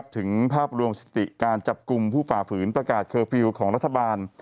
ถึงภาพรวมสติการจับกลุ่มผู้ฝ่าฝืนประกาศเคอร์ฟิลล์ของรัฐบาล